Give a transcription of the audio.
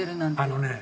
あのね